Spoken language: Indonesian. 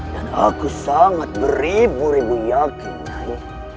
dan aku sangat beribu ribu yakin nyai